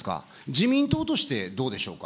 自民党としてどうでしょうか。